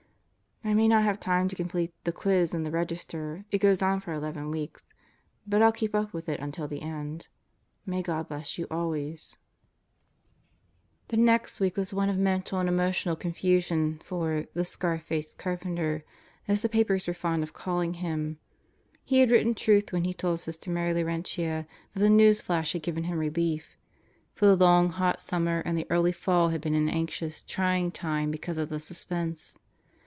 I may not have time to complete the "Quiz" in the Register. It goes on for 11 weeks. But 111 keep up with it until the end. May God bless you always. ... 128 God Goes to Murderer's Row The next week was one of mental and emotional confusion for the "scar faced carpenter/' as the papers were so fond of calling him. He had written truth when he told Sister Mary Laurentia that the news flash had given him relief; for the long, hot sum mer and the early fall had been an anxious, trying time because of the suspense.